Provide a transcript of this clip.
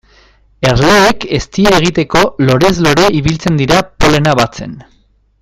Erleek eztia egiteko lorez lore ibiltzen dira polena batzen.